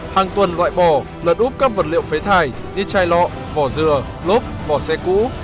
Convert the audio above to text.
hàng tuần loại bỏ lật úp các vật liệu phế thải như chai lọ vỏ dừa lốp vỏ xe cũ